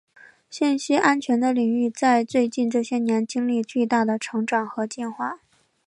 信息安全的领域在最近这些年经历了巨大的成长和进化。